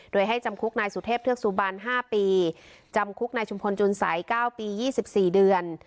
โดยให้จำคุกนายสุเทพเทือกสุบัน๕ปีจำคุกนายชุมพลจุนสัย๙ปี๒๔เดือน